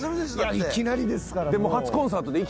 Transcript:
いきなりですからもう。